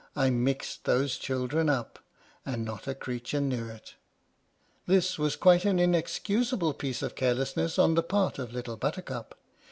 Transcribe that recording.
/ mixed those children up, And not a creature knew it! This was quite an inexcusable piece of carelessness on the part of Little Buttercup.